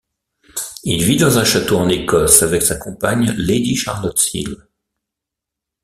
Il vit dans un château en Écosse avec sa compagne Lady Charlotte Seal.